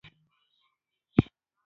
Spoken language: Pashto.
ډرامه باید د مظلوم ملاتړ وکړي